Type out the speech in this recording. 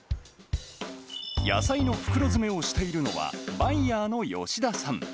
野菜の袋詰めをしているのは、バイヤーの吉田さん。